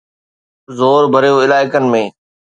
زور ڀريو علائقن ۾